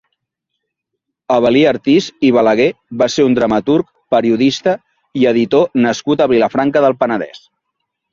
Avel·lí Artís i Balaguer va ser un dramaturg, periodista i editor nascut a Vilafranca del Penedès.